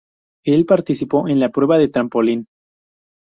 Él participó en la prueba de trampolín.